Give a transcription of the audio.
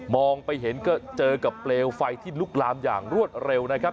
ไปเห็นก็เจอกับเปลวไฟที่ลุกลามอย่างรวดเร็วนะครับ